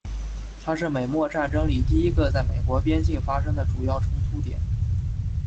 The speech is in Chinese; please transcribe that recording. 它是美墨战争里第一个在美国边境发生的主要冲突点。